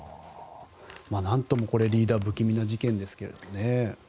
何とも、リーダー不気味な事件ですけどね。